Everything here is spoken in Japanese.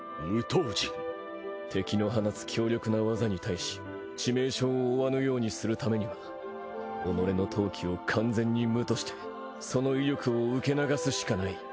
敵の放つ強力な技に対し致命傷を負わぬようにするためには己の闘気を完全に無としてその威力を受け流すしかない。